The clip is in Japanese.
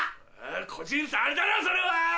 個人差あるだろそれは。